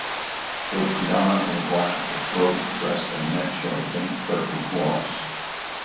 Though predominantly black, the throat, breast and neck show a faint purple gloss.